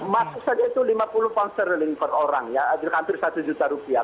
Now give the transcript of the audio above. masuk saja itu lima puluh pound sterling per orang ya hampir satu juta rupiah